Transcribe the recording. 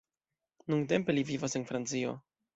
Nuntempe li vivas en Francio.